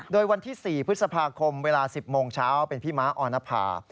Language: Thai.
โดยวันที่๔พฤษภาคมเวลา๑๐โมงเช้าเป็นพี่ม้าออนภา